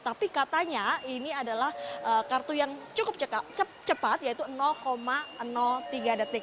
tapi katanya ini adalah kartu yang cukup cepat yaitu tiga detik